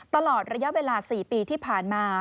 ตลอดระยะเวลา๔ปีที่ผ่านมา